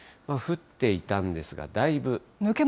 降っていたんですが、だいぶ。